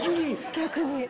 逆に。